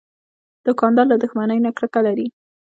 دوکاندار له دښمنۍ نه کرکه لري.